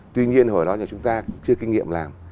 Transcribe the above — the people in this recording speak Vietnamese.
tuy nhiên hồi đó nhà chúng ta chưa kinh nghiệm làm